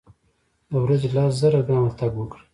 د ورځي لس زره ګامه تګ وکړئ.